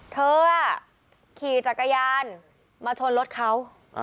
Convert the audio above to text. ขี่จักรยานมาชนรถเขา